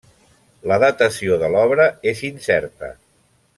La datació de l'obra és incerta.